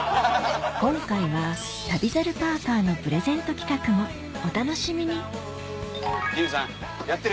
今回は旅猿パーカーのプレゼント企画もお楽しみにジミーさんやってる？